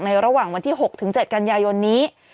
ระหว่างวันที่๖๗กันยายนนี้